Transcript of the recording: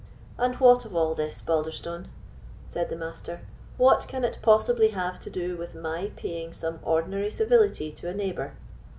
"And what of all this, Balderstone?" said the Master; "what can it possibly have to do with my paying some ordinary civility to a neighbour."